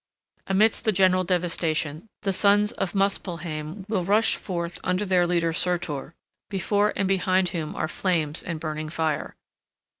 Amidst the general devastation the sons of Muspelheim will rush forth under their leader Surtur, before and behind whom are flames and burning fire.